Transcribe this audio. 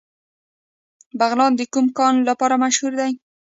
بغلان د کوم کان لپاره مشهور دی؟